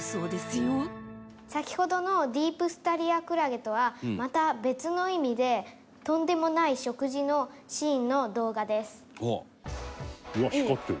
先ほどのディープスタリアクラゲとはまた別の意味でとんでもない食事のシーンの動画です。